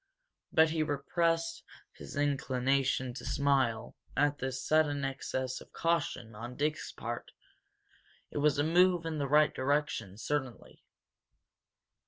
But he repressed his inclination to smile at this sudden excess of caution on Dick's part. It was a move in the right direction, certainly.